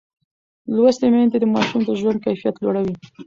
لوستې میندې د ماشوم د ژوند کیفیت لوړوي.